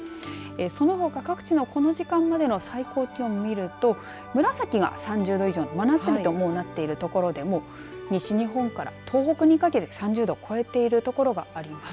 そのほか各地のこの時間までの最高気温を見ると紫が３０度以上の真夏日ともなっている所でも西日本から東北にかけて３０度超えている所があります。